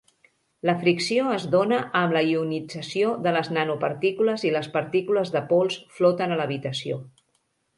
La fricció es dona amb la ionització de les nanopartícules i les partícules de pols floten a l'habitació.